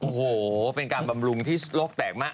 โอ้โหเป็นการบำรุงที่โลกแตกมาก